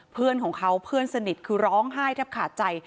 เพื่อนของเขาเพื่อนสนิทคือร้องไห้แทบขาดใจ